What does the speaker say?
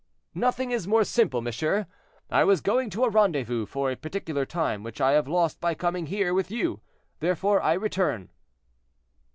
"Nothing is more simple, monsieur; I was going to a rendezvous for a particular time, which I have lost by coming here with you; therefore I return."